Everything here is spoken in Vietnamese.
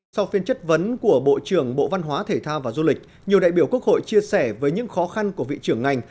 sau phiên chất vấn của bộ trưởng bộ văn hóa thể thao và du lịch nhiều đại biểu quốc hội chia sẻ với những khó khăn của vị trưởng ngành